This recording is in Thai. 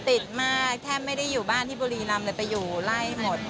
ติดมากแทบไม่ได้อยู่บ้านที่บุรีรำเลยไปอยู่ไล่หมด